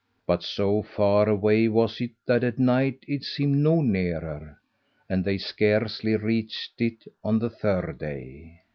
But so far away was it that at night it seemed no nearer, and they scarcely reached it on the third day.